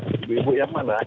ibu ibu yang mana